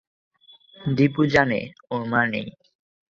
দীপু জানে ওর মা নেই।